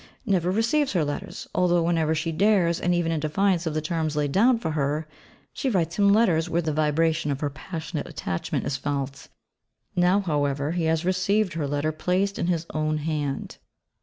never receives her letters, although whenever she dares, and even in defiance of the terms laid down for her, she writes him letters where the vibration of her passionate attachment is felt. Now, however, he has received her letter placed in his own hand.